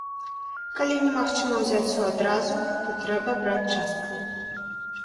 Калі немагчыма ўзяць усё адразу, то трэба браць часткамі.